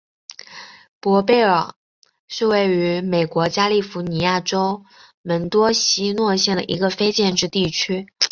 伯贝克是位于美国加利福尼亚州门多西诺县的一个非建制地区。